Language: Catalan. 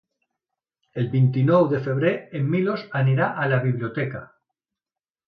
El vint-i-nou de febrer en Milos anirà a la biblioteca.